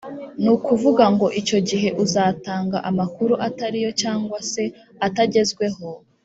ni ukuvuga ngo icyo gihe uzatanga amakuru atari yo cyangwa se atagezweho